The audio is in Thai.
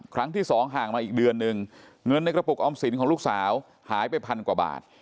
ครั้งที่สองห่างมาอีกเดือนนึงเงินในกระปุกออมสินของลูกสาวหายไปพันกว่าบาท